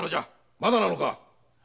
まだなのか？